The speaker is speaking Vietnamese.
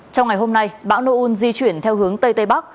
trong ngày hôm nay bão nô un di chuyển theo hướng tây tây bắc